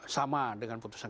sama dengan putusan